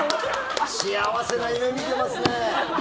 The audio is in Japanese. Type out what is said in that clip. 幸せな夢、見てますね。